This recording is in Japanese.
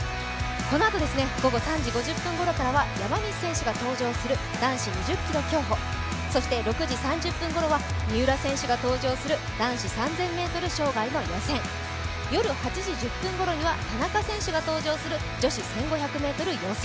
このあと、午後３時５０分ごろからは山西選手が登場する男子２０ｋｍ競歩、そして６時３０分ごろには三浦選手が登場する男子３０００ｍ障害の予選夜８時１０分ごろには田中選手が登場する女子１５００ｍ予選。